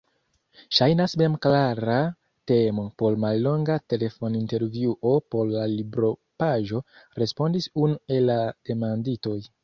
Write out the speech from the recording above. Ŝajnas memklara temo por mallonga telefonintervjuo por la libropaĝo, respondis unu el la demanditoj.